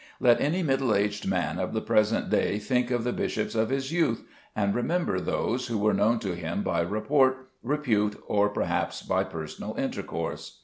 Let any middle aged man of the present day think of the bishops of his youth, and remember those who were known to him by report, repute, or perhaps by personal intercourse.